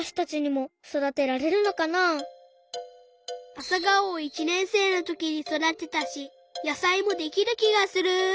アサガオを１ねんせいのときにそだてたし野さいもできるきがする。